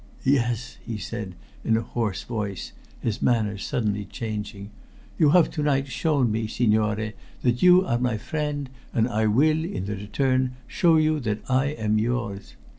"Yes," he said in a hoarse voice, his manner suddenly changing. "You have to night shown me, signore, that you are my friend, and I will, in return, show you that I am yours."